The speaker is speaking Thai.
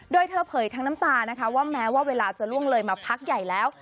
โดยเธอเผยทั้งน้ำตานะคะว่าแม้ว่าเวลาจะล่วงเลยมาพักใหญ่แล้ว